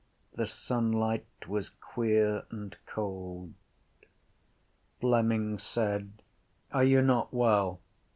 The sunlight was queer and cold. Fleming said: —Are you not well?